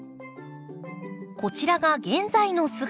こちらが現在の姿。